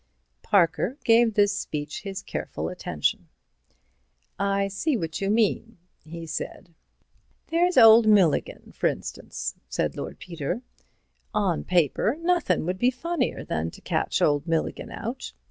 Parker gave this speech his careful attention. "I see what you mean," he said. "There's old Milligan, f'r instance," said Lord Peter. "On paper, nothin' would be funnier than to catch old Milligan out.